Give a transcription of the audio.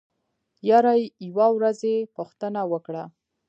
يره يوه ورځ يې پوښتنه وکړه.